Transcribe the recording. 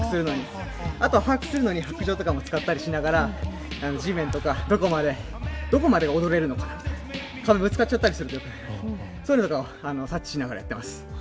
あとは、把握するのに白杖とかも使ったりしながらどこまで踊れるのかみたいなぶつかっちゃったりすると良くないのでそういうのとかを察知しながらやっています。